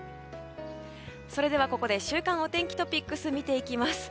それでは、ここで週間お天気トピックス見ていきます。